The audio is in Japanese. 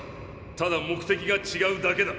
ただ目的がちがうだけだ。